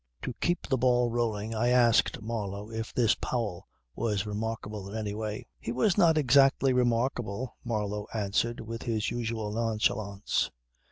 To keep the ball rolling I asked Marlow if this Powell was remarkable in any way. "He was not exactly remarkable," Marlow answered with his usual nonchalance.